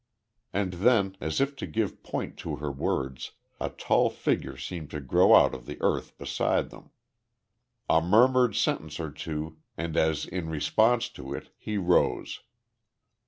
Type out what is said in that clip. And then, as if to give point to her words, a tall figure seemed to grow out of the earth beside them. A murmured sentence or two, and as in response to it he rose.